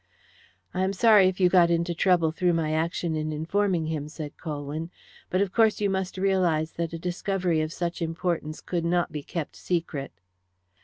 "I am sorry if you got into trouble through my action in informing him," said Colwyn. "But of course you must realize that a discovery of such importance could not be kept secret."